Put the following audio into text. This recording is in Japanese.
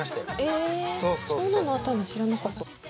えそんなのあったんだ知らなかった。